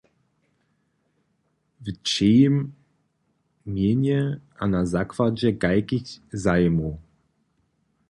W čejim mjenje a na zakładźe kajkich zajimow?